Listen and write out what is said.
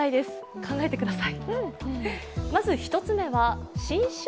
考えてください。